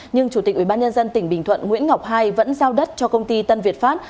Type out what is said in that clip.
nhưng chủ tịch ubnd tỉnh bình thuận nguyễn ngọc hai vẫn giao đất cho công ty tân việt pháp